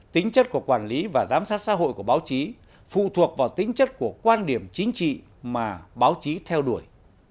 tính chất của quản lý và giám sát xã hội của báo chí phụ thuộc vào tính chất của quan điểm chính trị mà báo chí theo đuổi